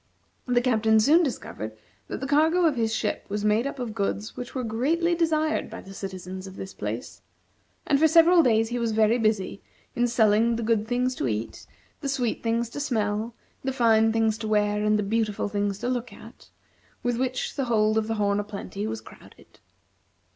The Captain soon discovered that the cargo of his ship was made up of goods which were greatly desired by the citizens of this place; and for several days he was very busy in selling the good things to eat, the sweet things to smell, the fine things to wear, and the beautiful things to look at, with which the hold of the "Horn o' Plenty" was crowded.